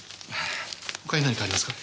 ほかに何かありますか？